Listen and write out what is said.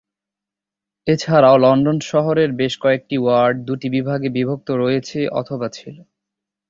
এছাড়াও লন্ডন শহরের বেশ কয়েকটি ওয়ার্ড দুটি বিভাগে বিভক্ত রয়েছে অথবা ছিল।